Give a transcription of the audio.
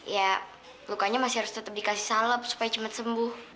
ya lukanya masih harus tetap dikasih salep supaya cepat sembuh